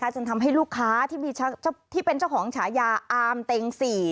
จนทำให้ลูกค้าที่เป็นเจ้าของฉายาอามเต็ง๔